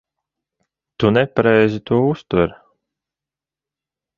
Tu nepareizi to uztver.